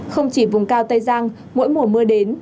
không chỉ vùng cao tây giang mỗi mùa mưa đến